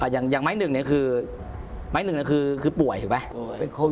อย่างไม้หนึ่งเนี่ยคือไม้หนึ่งคือป่วยถูกไหม